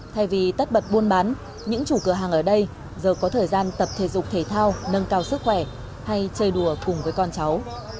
thay vì tất bật buôn bán những chủ cửa hàng ở đây giờ có thời gian tập thể dục thể thao nâng cao sức khỏe hay chơi đùa cùng với con cháu